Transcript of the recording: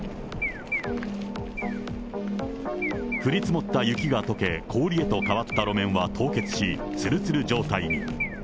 降り積もった雪がとけ、氷へと変わった路面は凍結し、つるつる状態に。